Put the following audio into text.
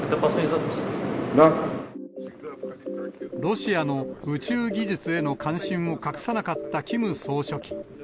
ロシアの宇宙技術への関心を隠さなかったキム総書記。